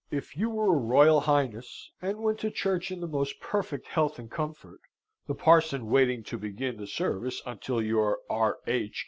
If you were a Royal Highness, and went to church in the most perfect health and comfort, the parson waiting to begin the service until your R. H.